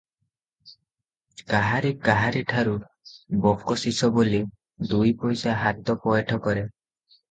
କାହାରି କାହାରିଠାରୁ ବକସିସ ବୋଲି ଦୁଇପଇସା ହାତ ପଏଠ କରେ